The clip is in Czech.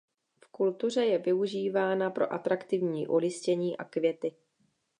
V kultuře je využívána pro atraktivní olistění a květy.